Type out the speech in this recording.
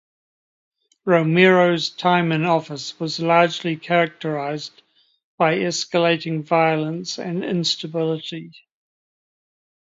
Romero's time in office was largely characterized by escalating violence and instability.